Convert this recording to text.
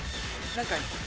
何か。